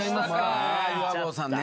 岩合さんね！